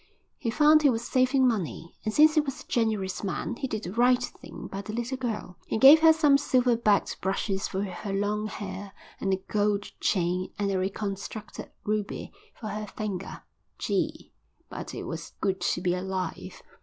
He found he was saving money, and since he was a generous man he did the right thing by the little girl: he gave her some silver backed brushes for her long hair, and a gold chain, and a reconstructed ruby for her finger. Gee, but it was good to be alive.